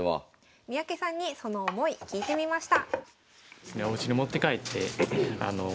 三宅さんにその思い聞いてみました。